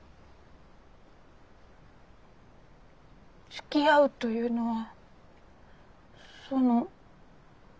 つきあうというのはその。